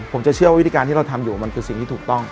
ผมจะเชื่อว่าวิธีการที่เราทำอยู่มันคือสิ่งที่ถูกต้อง